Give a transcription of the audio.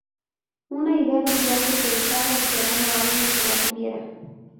Una idea brillante, que estaba esperando a alguien que la tuviera".